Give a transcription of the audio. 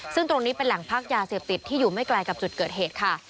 ซึ่งตรงนี้เป็นแหล่งพักยาเสพติดที่อยู่ไม่ไกลกับจุดเกิดเหตุค่ะ